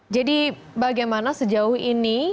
jadi bagaimana sejauh ini